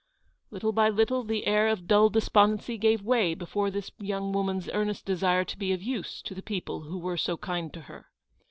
Little by little the air of dull despondency gave way before this young woman's earnest desire to be of use to the people who were so kind to her.